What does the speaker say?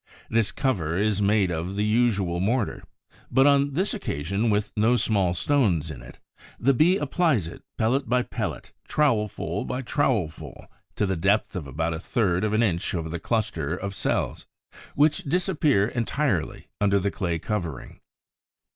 This cover is made of the usual mortar, but on this occasion with no small stones in it. The Bee applies it pellet by pellet, trowelful by trowelful, to the depth of about a third of an inch over the cluster of cells, which disappear entirely under the clay covering.